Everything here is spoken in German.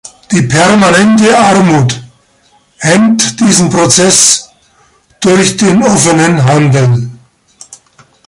Die permanente Armut hemmt diesen Prozess durch den offenen Handel.